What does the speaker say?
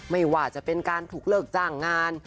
ไม่ว่าจะเป็นการถูกเลิกจ้างงาน